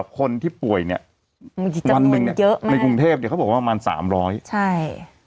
คนที่ป่วยเนี้ยหวันหนึ่งในกรุงเทพเขาบอกว่าประมาณสามร้อยใช่